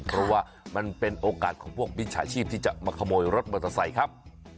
เพราะว่ามันเป็นโอกาสของพวกมิจฉาชีพที่จะมาขโมยรถมอเตอร์ไซค์ครับ